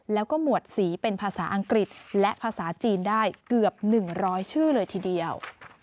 แล้วก็หมวดสีเป็นภาษาอังกฤษและภาษาจีนได้เกือบ๑๐๐ชื่อเลยทีเดียว